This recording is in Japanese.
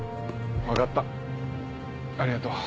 分かったありがとう。